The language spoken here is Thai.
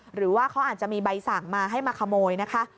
หรือว่าเขาอาจจะมีใบสั่งมาให้มาขโมยนะคะ